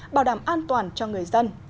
bảo đảm an toàn cho người dân